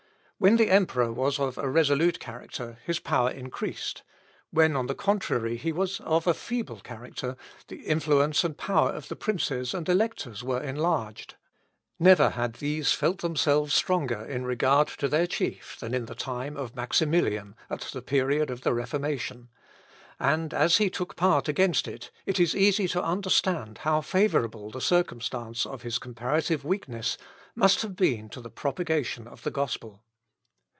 When the emperor was of a resolute character, his power increased; when, on the contrary, he was of a feeble character, the influence and power of the princes and electors were enlarged. Never had these felt themselves stronger in regard to their chief than in the time of Maximilian, at the period of the Reformation; and as he took part against it, it is easy to understand how favourable the circumstance of his comparative weakness must have been to the propagation of the gospel.